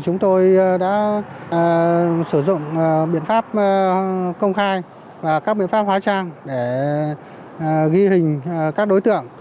chúng tôi đã sử dụng biện pháp công khai và các biện pháp hóa trang để ghi hình các đối tượng